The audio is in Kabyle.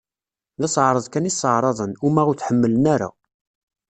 D aseɛreḍ kan i sseɛraḍen, uma ur t-ḥemmlen ara.